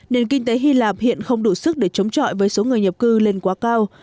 nền kinh tế hy lạp hiện không đủ sức để chống chọi với số người nhập cư lên quá cao